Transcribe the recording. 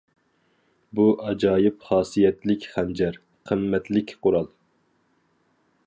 بۇ ئاجايىپ خاسىيەتلىك خەنجەر، قىممەتلىك قورال.